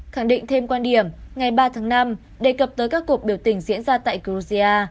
khẳng định thêm quan điểm ngày ba tháng năm đề cập tới các cuộc biểu tình diễn ra tại georgia